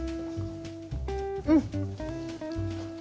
うん。